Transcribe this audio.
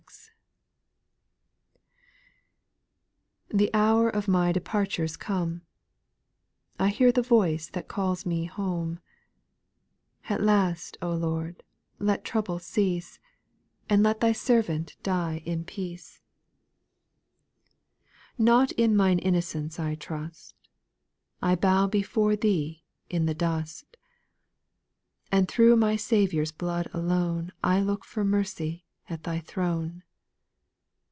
fPHE hour of my departure 's come, X I hear the voice that calls me home ; At last, O Lord, let trouble cease, And let Thy servant die u\ \i^\xQ.vi. 182 SPIRITUAL SONGS, 2. Not in mine innocence I trust ; I bow before Thee in the dust ; And through my Saviour's blood alone I look for mercy at Thy throne.